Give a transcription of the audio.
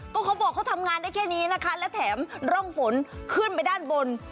ก็เขาบอกเขาทำงานได้แค่นี้นะคะและแถมร่องฝนขึ้นไปด้านบน